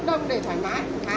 cấp đông để thoải mái